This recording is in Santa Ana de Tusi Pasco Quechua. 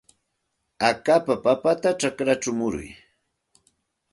Akapa papata chakrachaw muruy.